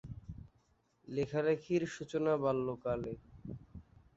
লেখালেখির সূচনা বাল্য কালে।